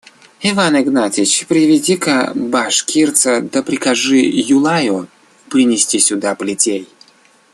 Иван Игнатьич, приведи-ка башкирца да прикажи Юлаю принести сюда плетей.